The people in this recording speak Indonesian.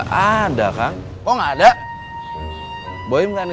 kayaknya udah kebiasaan